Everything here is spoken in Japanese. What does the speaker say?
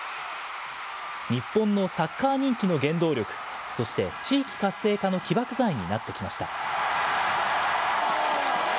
日本のサッカー人気の原動力、そして地域活性化の起爆剤になってきました。